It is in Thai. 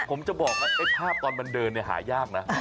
ผมจะบอกภาพตอนมันเดินหายากนะ